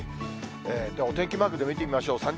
お天気マークで見てみましょう。